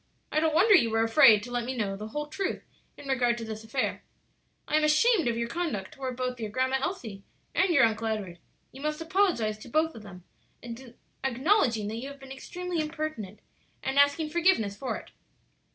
I don't wonder you were afraid to let me know the whole truth in regard to this affair. I am ashamed of your conduct toward both your Grandma Elsie and your Uncle Edward. You must apologize to both of them, acknowledging that you have been extremely impertinent, and asking forgiveness for it."